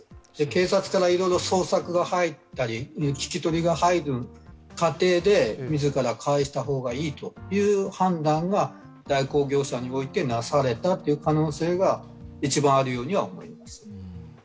警察からいろいろ捜索が入ったり、聞き取りが入る過程で自ら返した方がいいという判断が代行業者においてなされた可能性が１番あるように思えます。